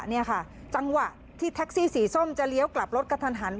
นี่ค่ะจังหวะที่แท็กซี่สีส้มจะเลี้ยวกลับรถกระทันหัน